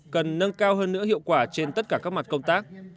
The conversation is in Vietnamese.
cần nâng cao hơn nữa hiệu quả trên tất cả các mặt công tác